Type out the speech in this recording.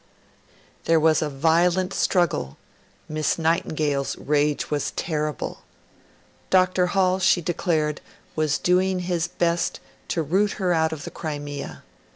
There was a violent struggle; Miss Nightingale's rage was terrible. Dr. Hall, she declared, was doing his best to 'root her out of the Crimea'.